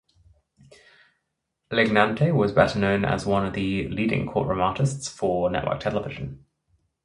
Lignante was better known as one of the leading courtroom artists for network television.